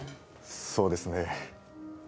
そうですね